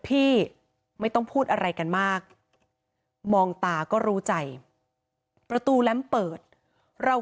พี่ไม่ต้องพูดอะไรกันมากมองตาก็รู้ใจประตูแรมเปิดเรา